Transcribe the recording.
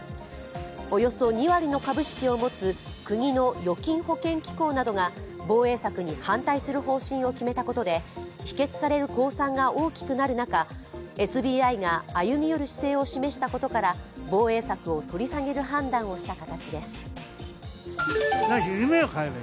およそ２割の株式を持つ国の預金保険機構などが防衛策に反対する方針を決めたことで否決される公算が大きくなる中ＳＢＩが歩み寄る姿勢を示したことから防衛策を取り下げる判断をした形です。